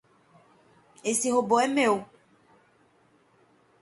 Esse robô é meu.